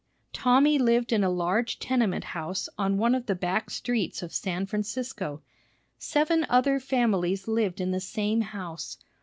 Tommy lived in a large tenement house on one of the back streets of San Francisco. Seven other families lived in the same house.